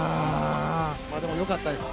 でもよかったです。